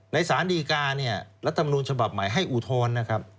ในสารดีการ์และธรรมนุนฉบับใหม่ให้อุทธรณ์นะครับ